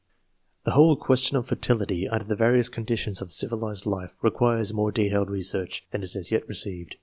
The whole question of fertility under the various con ditions of civilized life requires more detailed research than it has yet received.